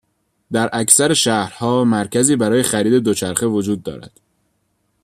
در اکثر شهرها، مرکزی برای خرید دوچرخه وجود دارد.